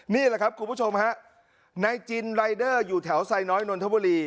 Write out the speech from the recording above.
นี่แหละครับคุณผู้ชมฮะนายจินรายเดอร์อยู่แถวไซน้อยนนทบุรี